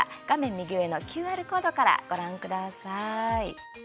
右上のＱＲコードからご覧ください。